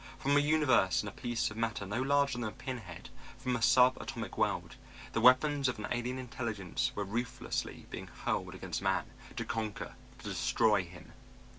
From a universe in a piece of matter no larger than a pin head, from a sub atomic world, the weapons of an alien intelligence were ruthlessly being hurled against man, to conquer, to destroy him.